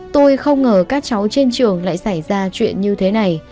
tôi không ngờ các cháu trên trường lại xảy ra chuyện như thế này